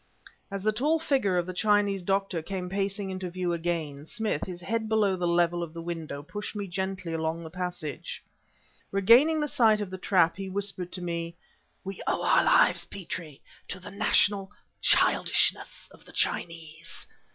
As the tall figure of the Chinese doctor came pacing into view again, Smith, his head below the level of the window, pushed me gently along the passage. Regaining the site of the trap, he whispered to me: "We owe our lives, Petrie, to the national childishness of the Chinese!